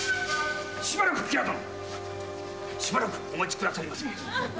しばらく吉良殿。しばらくお待ちくださりませ。